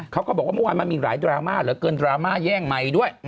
เขาก็บอกว่าเมื่อวานมันมีหลายดราม่าเหลือเกินดราม่าแย่งใหม่ด้วย